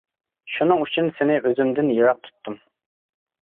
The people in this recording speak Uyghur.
شۇنىڭ ئۈچۈن سېنى ئۆزۈمدىن يىراق تۇتتۇم.